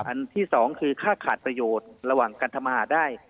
อันที่๒คือค่าขาดประโยชน์ระหว่างการทำอาหารได้